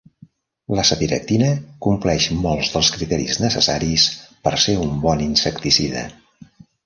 L'azadiractina compleix molts dels criteris necessaris per ser un bon insecticida.